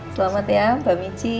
selamat ya mbak michi